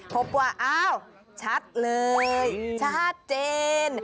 พบว่าอ้าวชัดเลยชัดเจน